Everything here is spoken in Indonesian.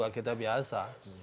kita juga biasa